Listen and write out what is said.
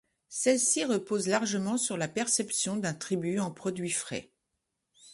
Celle ci repose largement sur la perception d'un tribut en produits frais.